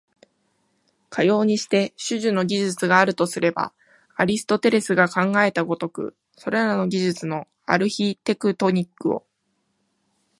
かようにして種々の技術があるとすれば、アリストテレスが考えた如く、それらの技術のアルヒテクトニックを、